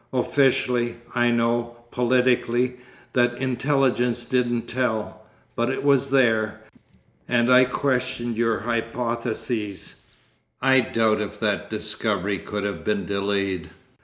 Officially, I know, politically, that intelligence didn't tell—but it was there. And I question your hypothesis. I doubt if that discovery could have been delayed.